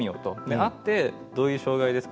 会ってどういう障害ですか？